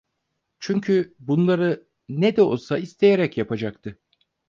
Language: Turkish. Çünkü bunları ne de olsa isteyerek yapacaktı.